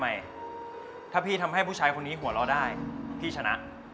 ทำไมถ้าพี่ทำให้ผู้ชายคนนี้หัวเราะได้พี่ชนะ